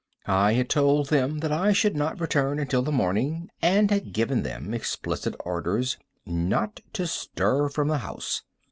I had told them that I should not return until the morning, and had given them explicit orders not to stir from the house.